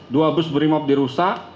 dua bus berimob dirusak